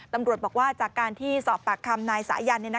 ตำรวจบอกว่าจากการที่สอบปากคำนายสายัน